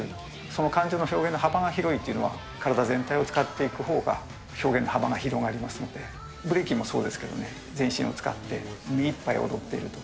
その感情の表現の幅が広いというのは、体全体を使っていくほうが、表現の幅が広がりますので、ブレイキンもそうですけれどもね、全身を使って、目いっぱい踊ってると。